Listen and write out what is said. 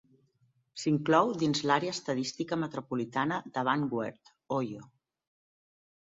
S'inclou dins l'àrea estadística metropolitana de Van Wert, Ohio.